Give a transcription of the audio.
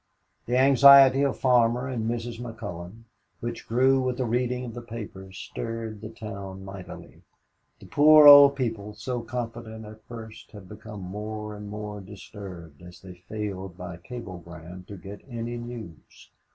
The anxiety of Farmer and Mrs. McCullon, which grew with the reading of the papers, stirred the town mightily. The poor old people, so confident at first, had become more and more disturbed as they failed by cablegram to get any news.